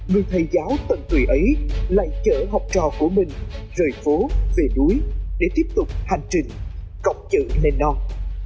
người thầy giáo tận tùy ấy lại chở học trò của mình rời phố về núi để tiếp tục hành trình cọc chữ lên non